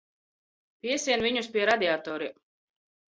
Piesien viņus pie radiatoriem.